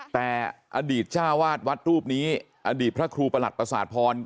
แต่อดีตจ้าวาดวัดรูปนี้อดีตพระครูประหลัดประสาทพร